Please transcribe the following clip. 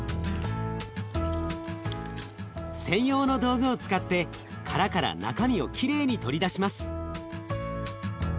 専用の道具を使って殻から中身をきれいに取り出します。